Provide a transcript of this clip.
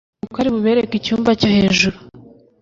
nuko ari bubereke icyumba cyo hejuru